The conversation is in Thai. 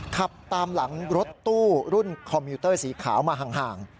ขับตามหลังรถตู้รุ่นคอมมิวเตอร์สีขาวมาห่าง